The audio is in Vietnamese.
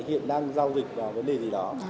hiện đang giao dịch vào vấn đề gì đó